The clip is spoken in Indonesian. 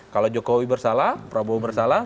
kalau jokowi bersalah prabowo bersalah